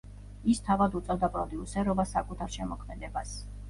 ის თავად უწევდა პროდიუსერობას საკუთარ შემოქმედებას.